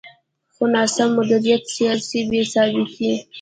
خو ناسم مدیریت، سیاسي بې ثباتي.